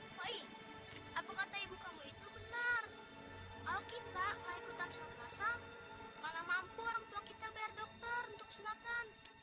kita mau ikutan selesai karena mampu orang tua kita berdokter untuk senatan